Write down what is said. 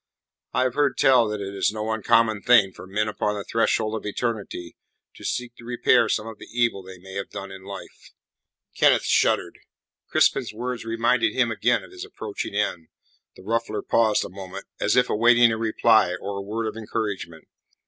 "I have heard tell that it is no uncommon thing for men upon the threshold of eternity to seek to repair some of the evil they may have done in life." Kenneth shuddered. Crispin's words reminded him again of his approaching end. The ruffler paused a moment, as if awaiting a reply or a word of encouragement.